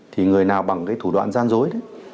thì người nào bằng thủ đoạn gian dối